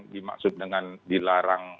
dimaksud dengan dilarang